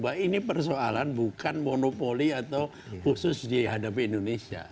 bahwa ini persoalan bukan monopoli atau khusus dihadapi indonesia